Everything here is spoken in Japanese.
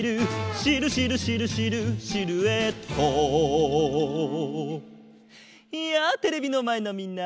「シルシルシルシルシルエット」やあテレビのまえのみんな！